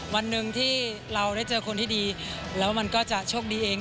วันหนึ่งที่เราได้เจอคนที่ดีแล้วมันก็จะโชคดีเอง